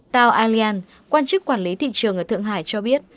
tao alian quan chức quản lý thị trường ở thượng hải cho biết